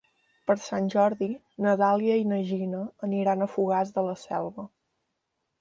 Per Sant Jordi na Dàlia i na Gina aniran a Fogars de la Selva.